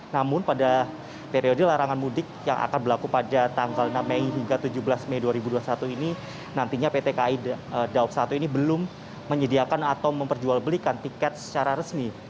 namun pada periode larangan mudik yang akan berlaku pada tanggal enam mei hingga tujuh belas mei dua ribu dua puluh satu ini nantinya pt kai daob satu ini belum menyediakan atau memperjualbelikan tiket secara resmi